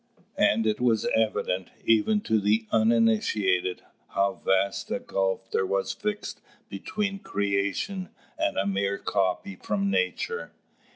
And it was evident, even to the uninitiated, how vast a gulf there was fixed between creation and a mere copy from nature.